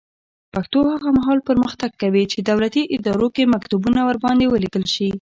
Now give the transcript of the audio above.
پښتو هغه مهال پرمختګ کوي چې دولتي ادارو کې مکتوبونه ورباندې ولیکل شي.